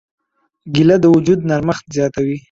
کېله د وجود نرمښت زیاتوي.